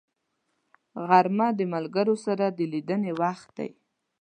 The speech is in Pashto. غرمه د ملګرو سره د لیدنې وخت دی